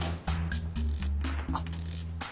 あっ。